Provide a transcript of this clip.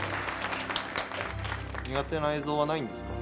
苦手な映像はないんですか？